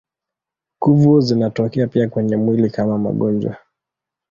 Kuvu zinatokea pia kwenye mwili kama magonjwa.